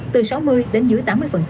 từ sáu mươi đến dưới tám mươi